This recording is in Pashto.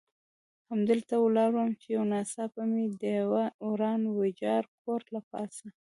همدلته ولاړ وم، چې یو ناڅاپه مې د یوه وران ویجاړ کور له پاسه.